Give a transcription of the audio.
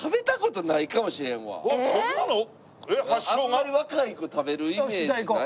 あんまり若い子食べるイメージない。